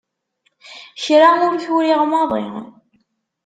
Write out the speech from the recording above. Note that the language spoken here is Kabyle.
Kra ur t-uriɣ maḍi.